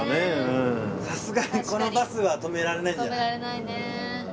さすがにこのバスは止められないんじゃない？